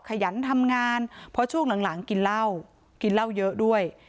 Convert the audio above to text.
ขยันทำงานเพราะช่วงหลังกินเหล้ากินเหล้าเยอะด้วย